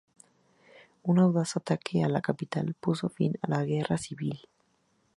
Un audaz ataque a la capital puso fin a la guerra civil.